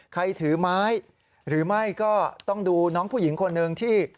ถือไม้หรือไม่ก็ต้องดูน้องผู้หญิงคนหนึ่งที่